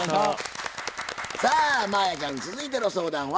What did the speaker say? さあ真彩ちゃん続いての相談は？